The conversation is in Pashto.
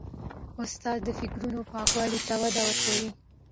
استاد د فکرونو پاکوالي ته وده ورکوي.